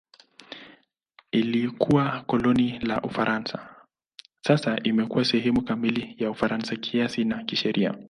Ilikuwa koloni la Ufaransa; sasa imekuwa sehemu kamili ya Ufaransa kisiasa na kisheria.